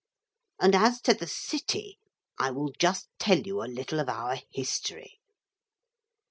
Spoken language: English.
'And as to the city. I will just tell you a little of our history.